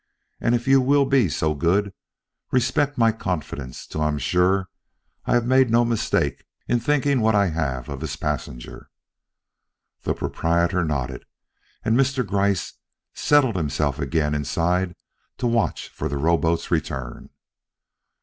"And if you will be so good, respect my confidence till I am sure I have made no mistake in thinking what I have of his passenger." The proprietor nodded, and Mr. Gryce settled himself again inside to watch for the rowboat's return.